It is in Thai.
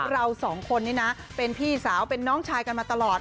เราสองคนนี้นะเป็นพี่สาวเป็นน้องชายกันมาตลอด